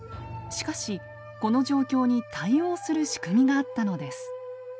しかしこの状況に対応する仕組みがあったのです。